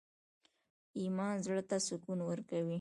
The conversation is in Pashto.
ایمان زړه ته سکون ورکوي